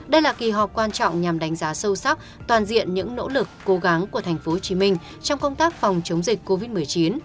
đây là kỳ họp quan trọng nhằm đánh giá sâu sắc toàn diện những nỗ lực cố gắng của tp hcm trong công tác phòng chống dịch covid một mươi chín